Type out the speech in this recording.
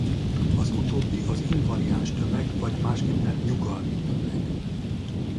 Az utóbbi az invariáns tömeg vagy másképpen nyugalmi tömeg.